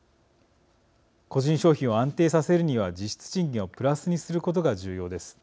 個人消費を安定させるには実質賃金をプラスにすることが重要です。